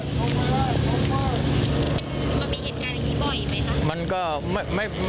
มันมีเหตุการณ์อย่างงี้บ่อยไหมคะ